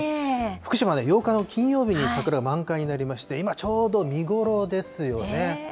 福島では８日の金曜日に桜、満開になりまして、今、ちょうど見頃ですよね。